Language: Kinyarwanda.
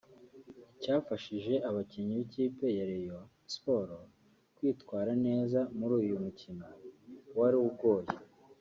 Icyafashije abakinnyi b’ikipe ya Rayon Sports kwitwara neza muri uyu mukino wari ugoye